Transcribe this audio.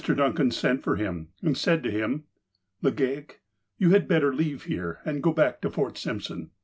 Duncan sent for him, and said to him : "Legaic, you had better leave here, and go l)ack to Fort Simpson.